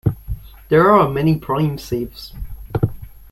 There are many prime sieves.